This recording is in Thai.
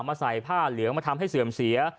ใส่ผ้าเหลืองมาทำให้เสื่อมเสีย